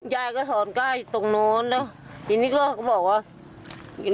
ย่าก็ถอนก้าอยู่ตรงโน้นแล้วทีนี้ก็บอกว่า